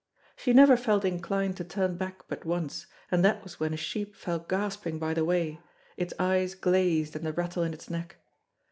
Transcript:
She never felt inclined to turn back but once, and that was when a sheep fell gasping by the way, its eyes glazed and the rattle in its neck.